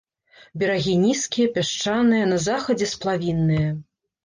Берагі нізкія, пясчаныя, на захадзе сплавінныя.